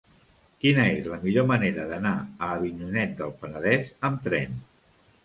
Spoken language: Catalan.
Quina és la millor manera d'anar a Avinyonet del Penedès amb tren?